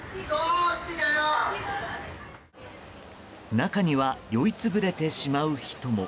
中には酔い潰れてしまう人も。